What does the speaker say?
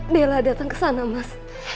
nella datang ke sana mas